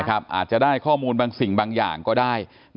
อาจจะได้ข้อมูลบางสิ่งบางอย่างก็ได้